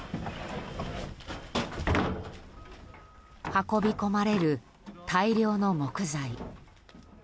運び込まれる大量の木材。